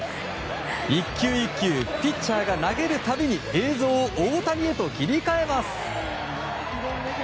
１球１球ピッチャーが投げるたびに映像を大谷へと切り替えます。